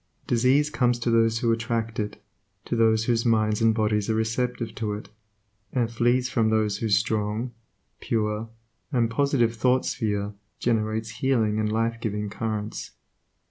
Disease comes to those who attract it, to those whose minds and bodies are receptive to it, and flees from those whose strong, pure, and positive thought sphere generates healing and life giving currents.